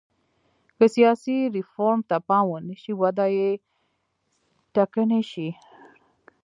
که سیاسي ریفورم ته پام ونه شي وده یې ټکنۍ شي.